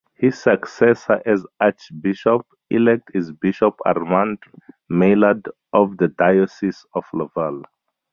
His successor as Archbishop-elect is Bishop Armand Maillard of the Diocese of Laval.